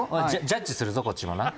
ジャッジするぞこっちもな。